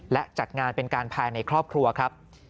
และจัดงานเป็นการภายในครอบครัวครับ